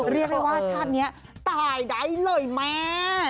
เรียกได้ว่าชาตินี้ตายได้เลยแม่